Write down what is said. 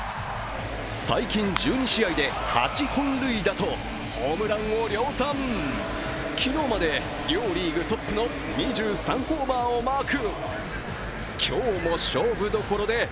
最近１２試合で８本塁打とホームランを量産、昨日まで両リーグトップの２３ホーマーをマーク。